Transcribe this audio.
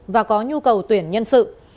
và có nhu cầu tuyển nhân sự